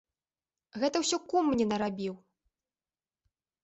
Гэта ўсё кум мне нарабіў!